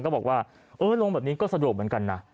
ก็บอกว่าเออลงแบบนี้ก็สะดวกเหมือนกันนะ